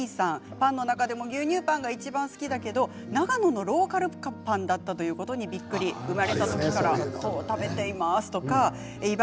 パンの中でも牛乳パンがいちばん好きだけど長野のローカルパンだったのにびっくりしましたということです。